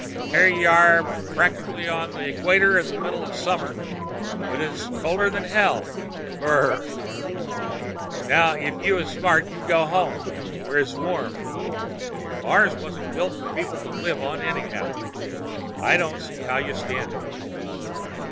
Here y'are, practic'ly on the equator in the middle of the summer, and it's colder than hell. Brrr! "Now if you was smart, you'd go home, where it's warm. Mars wasn't built for people to live on, anyhow. I don't see how you stand it."